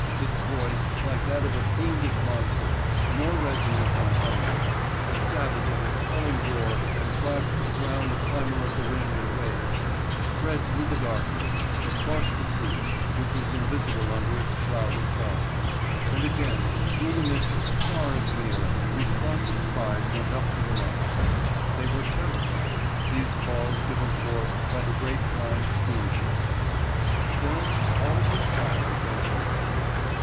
Its voice, like that of a fiendish monster, more resonant than thunder—a savage and appalling roar contrived to drown the clamour of the wind and waves—spread through the darkness, across the sea, which was invisible under its shroud of fog. And again, through the mist, far and near, responsive cries went up to the night. They were terrifying, these calls given forth by the great blind steam ships. Then all was silent once more.